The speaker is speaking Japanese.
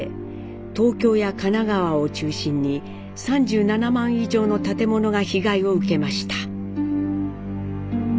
東京や神奈川を中心に３７万以上の建物が被害を受けました。